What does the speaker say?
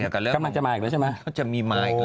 กำลังจะมาอีกแล้วใช่ไหม